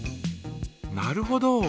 なるほど。